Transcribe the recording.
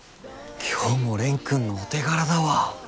今日も蓮くんのお手柄だわ。